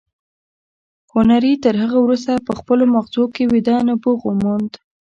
هنري تر هغه وروسته په خپلو ماغزو کې ویده نبوغ وموند